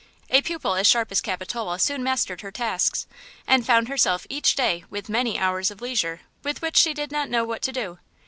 A pupil as sharp as Capitola soon mastered her tasks, and found herself each day with many hours of leisure with which she did not know what to do.